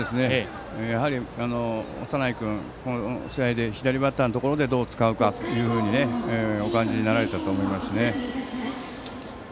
やはり、長内君この試合で左バッターのところでどう使うかっていうふうにお感じになられてたと思いますし。